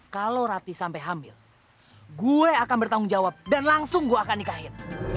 kalau rati sampai hamil gue akan bertanggung jawab dan langsung gue akan nikahin